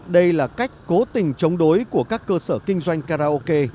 đây là cách cố tình chống đối của các cơ sở kinh doanh karaoke